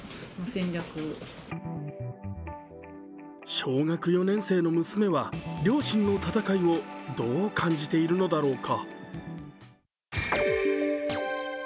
小学４年生の娘は、両親の戦いをどう感じているのだろうか。